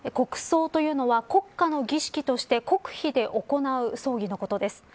国葬というのは国家の儀式として国費で行う葬儀のことです。